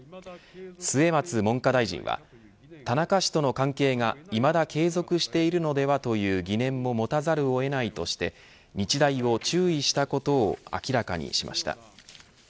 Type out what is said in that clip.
末松文科大臣は田中氏との関係が、いまだ継続しているのではという疑念を持たざるを得ないとして日大を注意したことを明らかにしました。